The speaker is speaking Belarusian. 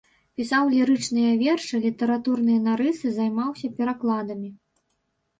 Пісаў лірычныя вершы, літаратурныя нарысы, займаўся перакладамі.